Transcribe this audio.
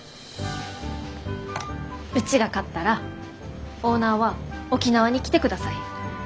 うちが勝ったらオーナーは沖縄に来てください。